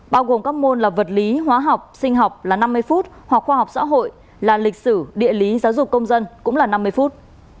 bao gồm các môn là vật lý hóa học sinh học là năm mươi phút hoặc khoa học xã hội là lịch sử địa lý giáo dục công dân cũng là năm mươi phút